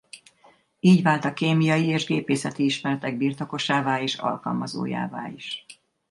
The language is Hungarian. Így vált a kémiai és gépészeti ismeretek birtokosává és alkalmazójává is.